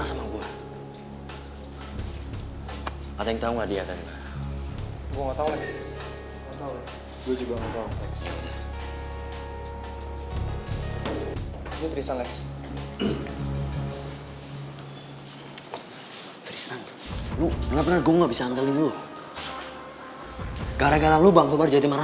sampai jumpa di video selanjutnya